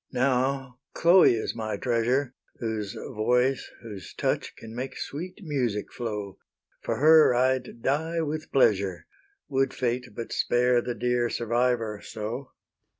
H. Now Chloe is my treasure, Whose voice, whose touch, can make sweet music flow: For her I'd die with pleasure, Would Fate but spare the dear survivor so.